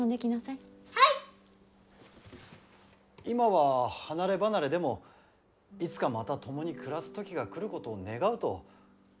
今は離れ離れでもいつかまた共に暮らす時が来ることを願うと。